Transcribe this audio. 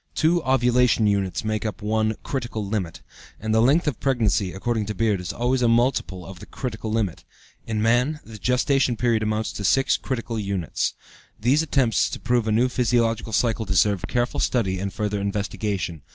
Two "ovulation units" make up one "critical unit," and the length of pregnancy, according to Beard, is always a multiple of the "critical unit;" in man, the gestation period amounts to six critical units. These attempts to prove a new physiological cycle deserve careful study and further investigation.